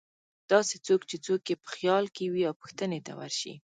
داسې څوک چې څوک یې په خیال کې وې او پوښتنې ته ورشي.